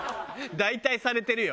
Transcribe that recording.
大体されてるよ。